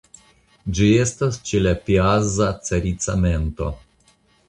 Ĝi estas ĉe la Piazza Caricamento.